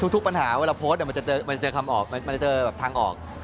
ทุกปัญหาเวลาโพสต์มันจะเจอคำออกมันจะเจอทั้งออก